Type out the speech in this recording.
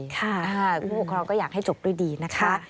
ผู้ปกครองก็อยากให้จบด้วยดีนะคะ